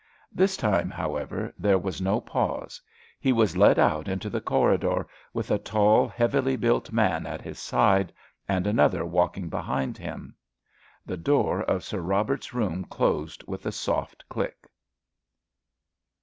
This time, however, there was no pause; he was led out into the corridor, with a tall, heavily built man at his side and another walking behind him. The door of Sir Robert's room closed with a soft click.